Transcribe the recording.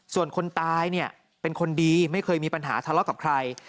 ส่วนคนตายเนี่ยเป็นคนดีไม่เคยมีปัญหาทะเลาะกับใคร